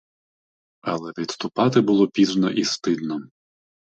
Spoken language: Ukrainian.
Але відступати було пізно і стидно.